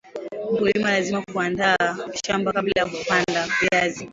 mkulima lazima kuandaa shamba kabla ya kupanda viazi